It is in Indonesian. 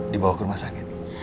dibawa ke rumah sakit